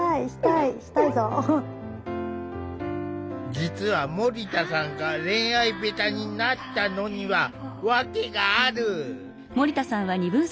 実は森田さんが恋愛ベタになったのには訳がある。